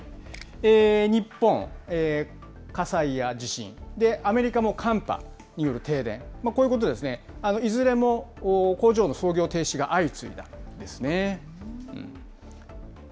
日本、火災や地震、アメリカも寒波による停電、こういうことでですね、いずれも工場の操業停止が相次いだんですね。